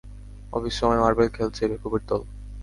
Office সময়ে marble খেলছে, বেকুবের দল!